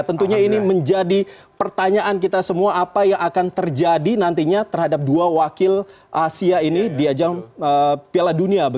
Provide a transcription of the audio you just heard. tentunya ini menjadi pertanyaan kita semua apa yang akan terjadi nantinya terhadap dua wakil asia ini di ajang piala dunia